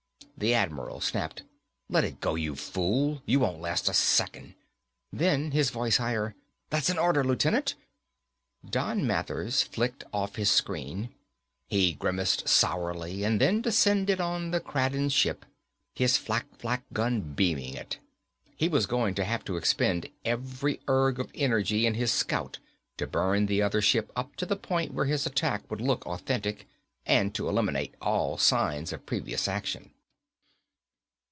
The Admiral snapped, "Let it go, you fool. You won't last a second." Then, his voice higher, "That's an order, Lieutenant!" Don Mathers flicked off his screen. He grimaced sourly and then descended on the Kraden ship, his flakflak gun beaming it. He was going to have to expend every erg of energy in his Scout to burn the other ship up to the point where his attack would look authentic, and to eliminate all signs of previous action.